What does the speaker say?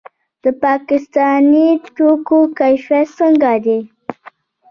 د پاکستاني توکو کیفیت څنګه دی؟